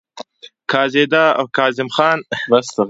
کاظم خان شیدا هم د هندي مکتب پیرو و.